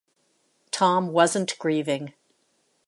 Tom wasn't grieving.